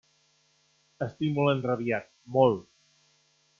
Estic molt enrabiat, molt!